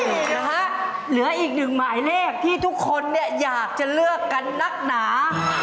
นี่นะฮะเหลืออีกหนึ่งหมายเลขที่ทุกคนเนี่ยอยากจะเลือกกันนักหนา